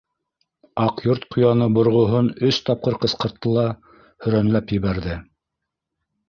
Аҡ Йорт ҡуяны борғоһон өс тапҡыр ҡысҡыртты ла һөрәнләп ебәрҙе: